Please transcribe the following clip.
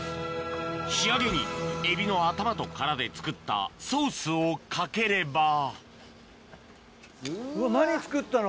仕上げにエビの頭と殻で作ったソースをかければうわ何作ったの？